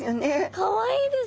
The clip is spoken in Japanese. かわいいです。